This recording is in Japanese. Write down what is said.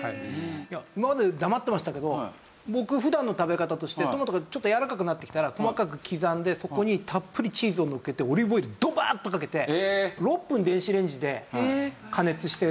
今まで黙ってましたけど僕普段の食べ方としてトマトがちょっとやわらかくなってきたら細かく刻んでそこにたっぷりチーズをのっけてオリーブオイルドバーッとかけて６分電子レンジで加熱して。